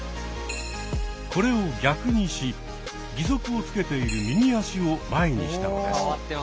これを逆にし義足をつけている右足を前にしたのです。